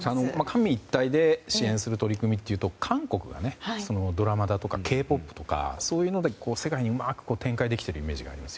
官民一体で支援する取り組みというと韓国がドラマだとかＫ‐ＰＯＰだとかそういうので世界にうまく展開できているイメージが。